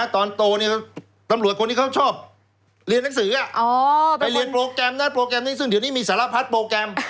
ตอนโตเนี่ยตำรวจคนที่เขาชอบเรียนหนังสือไปเรียนโปรแกรมนั้นโปรแกรมนี้ซึ่งเดี๋ยวนี้มีสารพัดโปรแกรม